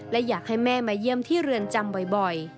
และอยากให้แม่มาเยี่ยมที่เรือนจำบ่อย